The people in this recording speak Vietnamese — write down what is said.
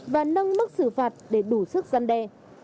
và nâng mức xử phạt để đủ sức gian đe